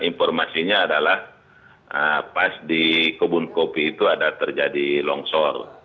informasinya adalah pas di kebun kopi itu ada terjadi longsor